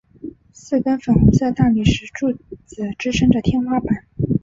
四根粉红色大理石柱子支持着天花板。